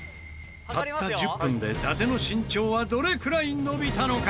たった１０分で伊達の身長はどれくらい伸びたのか？